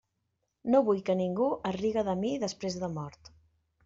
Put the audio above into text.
No vull que ningú es riga de mi després de mort.